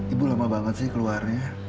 ibu lama banget sih keluarnya